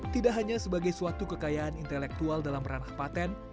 tidak hanya sebagai suatu kekayaan intelektual dalam ranah paten